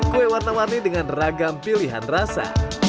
kue warna warni dengan ragam pilihan rasa